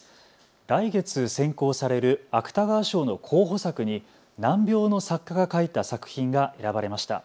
来月選考される芥川賞の候補作に難病の作家が書いた作品が選ばれました。